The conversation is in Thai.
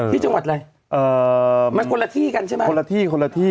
ที่จังหวัดอะไรเอ่อมันคนละที่กันใช่ไหมคนละที่คนละที่